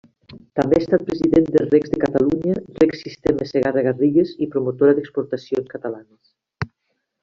També ha estat president de Regs de Catalunya, Reg Sistema Segarra-Garrigues i Promotora d'Exportacions Catalanes.